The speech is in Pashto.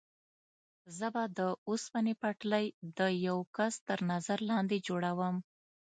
زه به د اوسپنې پټلۍ د یوه کس تر نظر لاندې جوړوم.